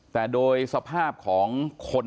แต่โดยสภาพของคน